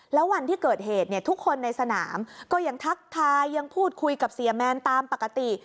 แล้ววันที่เกิดเหตุเนี่ยทุกคนในสนามก็ยังทักทายยังพูดคุยกับเสียแมนตามปกติ